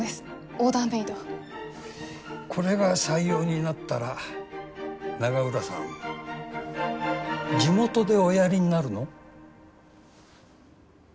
これが採用になったら永浦さん地元でおやりになるの？